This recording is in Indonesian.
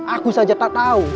aku saja tak tahu